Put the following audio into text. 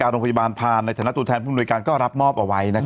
โรงพยาบาลผ่านในฐานะตูแทนฝึงโรงพยาบาลผ้านเขก็ก็รับมอบเอาว่านะครับ